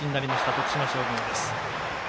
徳島商業です。